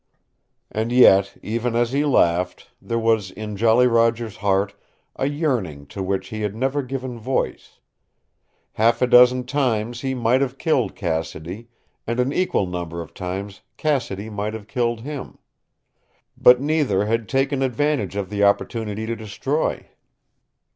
And yet, even as he laughed, there was in Jolly Roger's heart a yearning to which he had never given voice. Half a dozen times he might have killed Cassidy, and an equal number of times Cassidy might have killed him. But neither had taken advantage of the opportunity to destroy.